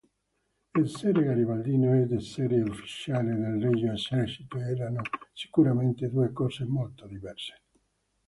Essere garibaldino ed essere ufficiale del Regio Esercito erano sicuramente due cose molto diverse.